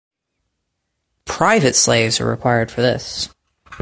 Private slaves were required for this.